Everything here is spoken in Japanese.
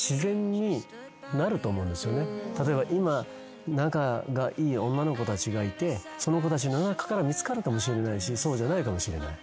例えば今仲がいい女の子たちがいてその子たちの中から見つかるかもしれないしそうじゃないかもしれない。